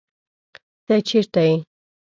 ته چرته یې؟